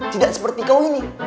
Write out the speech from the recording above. tidak seperti kau ini